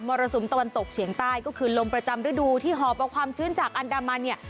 รสุมตะวันตกเฉียงใต้ก็คือลมประจำฤดูที่หอบเอาความชื้นจากอันดามันเนี่ย